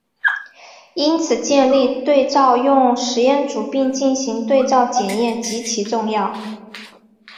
因此建立对照用实验组并进行对照检验极其重要。